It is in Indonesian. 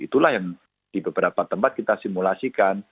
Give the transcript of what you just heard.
itulah yang di beberapa tempat kita simulasikan